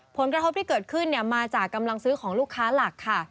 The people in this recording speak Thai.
ผลกระทบที่เกิดขึ้นมาจากกำลังซื้อของลูกค้าหลักค่ะ